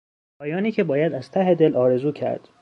پایانی که باید از ته دل آرزو کرد